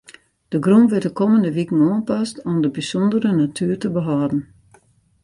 De grûn wurdt de kommende wiken oanpast om de bysûndere natuer te behâlden.